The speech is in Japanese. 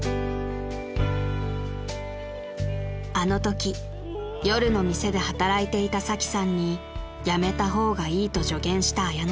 ［あのとき夜の店で働いていたサキさんに辞めた方がいいと助言したアヤノさん］